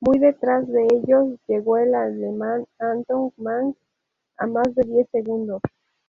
Muy detrás de ellos llegó el alemán Anton Mang a más de diez segundos.